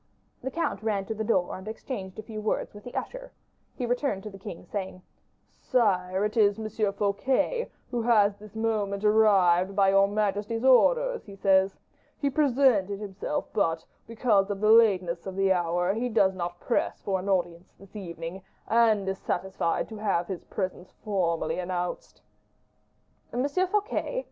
The count ran to the door and exchanged a few words with the usher; he returned to the king, saying, "Sire, it is M. Fouquet who has this moment arrived, by your majesty's orders, he says. He presented himself, but, because of the lateness of the hour, he does not press for an audience this evening, and is satisfied to have his presence here formally announced." "M. Fouquet!